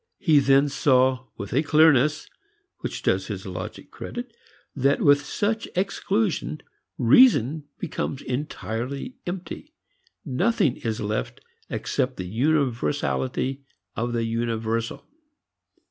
He then saw with a clearness which does his logic credit that with such exclusion, reason becomes entirely empty: nothing is left except the universality of the universal.